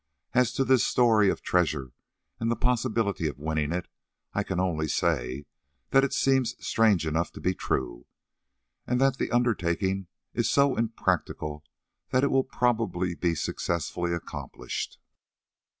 As to this story of treasure, and the possibility of winning it, I can only say that it seems strange enough to be true, and that the undertaking is so impracticable that it will probably be successfully accomplished."